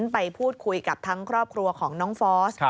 ไปพูดคุยกับทั้งครอบครัวของน้องฟอส